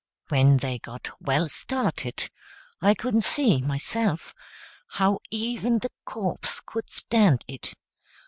When they got well started, I couldn't see, myself, how even the corpse could stand it.